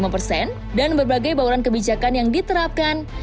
lima puluh persen dan berbagai bauran kebijakan yang diterapkan